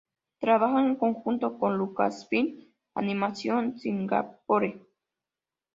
Trabaja en conjunto con Lucasfilm Animation Singapore.